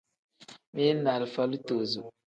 Mili ni alifa litozo.